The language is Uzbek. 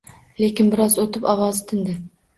Lekin biroz oʻtib, ovozi tindi